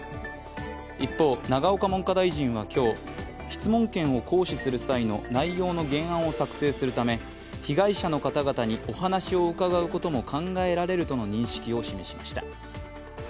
一方、永岡文科大臣は今日、質問権の行使する際の内容の原案を作成するため被害者の方々にお話を伺うことも考えられるとの認識を示しました。